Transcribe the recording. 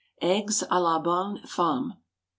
EGGS A LA BONNE FEMME.